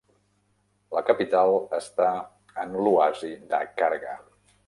La capital està en l'Oasi de Kharga.